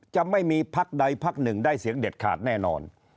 จะไม่มีพักใดพักหนึ่งได้เสียงเด็ดขาดแน่นอน